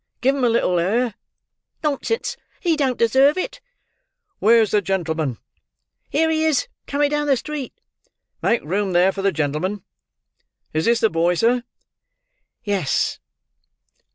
"Give him a little air!" "Nonsense! he don't deserve it." "Where's the gentleman?" "Here his is, coming down the street." "Make room there for the gentleman!" "Is this the boy, sir!" "Yes."